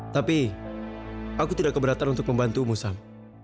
tapi aku tidak keberatan untuk membantumu sam